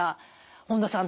本田さん